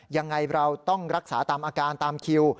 ยังไงเราต้องรักษาตามอาการตามคิว